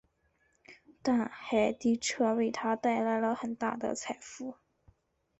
但海迪彻为他带来了很大的财富。